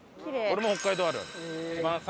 これも北海道あるある。